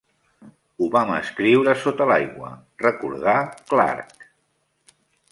"Ho vam escriure sota l'aigua", recordà Clarke.